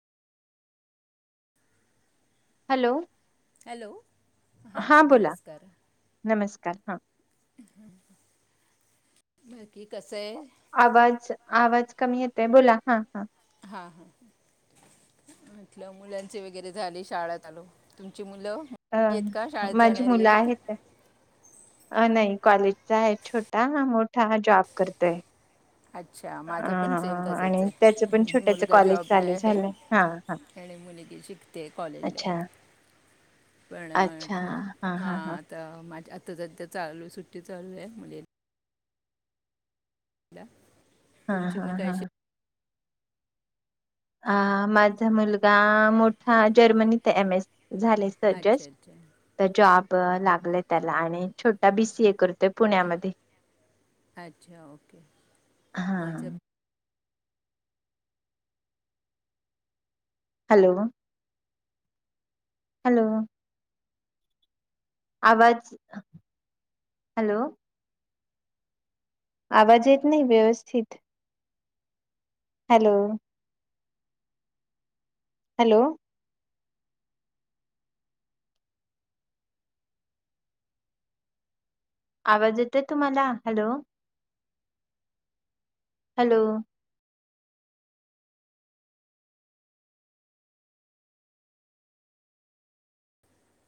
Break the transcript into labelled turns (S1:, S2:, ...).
S1: Hello.
S2: Hello, हा नमस्कार.
S1: नमस्कार हा.
S2: बाकी कसं. आहे
S1: आवाज आवाज कमी येतयं बोला हा हा.
S2: हा ह म्हटलं मुलांचे वगैरे झाले शाळा चालू तुमच्या. मूल
S1: अ
S2: मोठी शाळेत
S1: माझी
S2: जाणारी
S1: मुलं
S2: आहेत.
S1: अ नाही कॉलेजचा आहे छोटा हा मोठा हा जॉब करतोयं.
S2: अच्छा माझं पण सेम
S1: ह
S2: तसंच
S1: आणि त्याच पण
S2: आहे
S1: छोट्याच
S2: मुलगा
S1: कॉलेज
S2: जॉबला
S1: चालू
S2: आहे
S1: झालंय हा हा.
S2: आणि मुलगी शिकते कॉलेजला.
S1: अच्छा
S2: पण हा आता माझ्या आ - आ चालू आहे सुट्टी चालू आहे म्हणजे [unintelligible]
S1: हा
S2: तुमची
S1: हा
S2: मुलं काय
S1: हा.
S2: शिक
S1: अ माझा मुलगा मोठा जर्मनीत एम. एस. झाले
S2: अच्छा
S1: सजेस्ट
S2: अच्छा
S1: तर जाॅब. लागलयं त्याला आणि छोटा बी सी ए करतोय पुण्यामध्ये.
S2: अच्छा ओके माझं.
S1: हा हॅलो. हॅलो. आवाज हॅलो. आवाज येत नाही व्यवस्थितं हॅलो. हॅलो आवाज येतय तुम्हाला, हॅलो? हॅलो?